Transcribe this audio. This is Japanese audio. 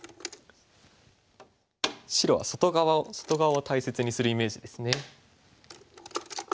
白は外側を外側を大切にするイメージですね。